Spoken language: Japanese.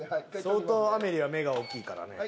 相当『アメリ』は目が大きいからね。